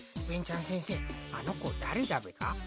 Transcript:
べんちゃん先生あの子誰だべか？